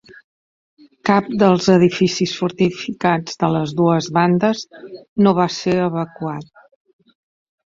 Cap dels edificis fortificats de les dues bandes no va ser evacuat